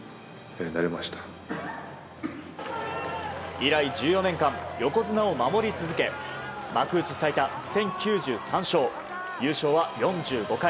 以来１４年間、横綱を守り続け幕内最多１０９３勝優勝は４５回。